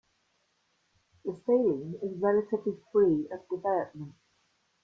The Saline is relatively free of development.